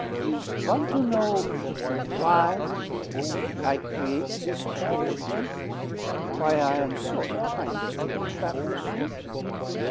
"You want to know why I create this tragedy, why I am so unkind as to entrap monsieur?"